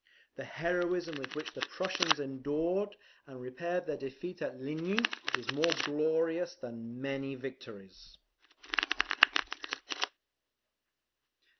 The heroism with which the Prussians endured and repaired their defeat at Ligny, is more glorious than many victories.